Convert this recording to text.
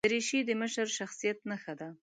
دریشي د مشر شخصیت نښه ده.